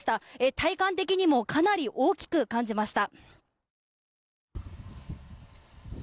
体感的にもかなり大きく感じました。